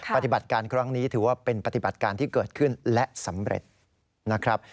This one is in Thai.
ปฏิบัติการครั้งนี้ถือว่าเป็นปฏิบัติการที่เกิดขึ้นและสำเร็จนะครับ